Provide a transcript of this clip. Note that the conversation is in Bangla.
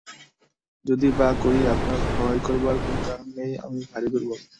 যদি বা করি, আপনার ভয় করবার কোনো কারণ নেই– আমি ভারি দুর্বল।